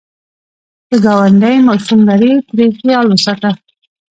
که ګاونډی ماشوم لري، ترې خیال وساته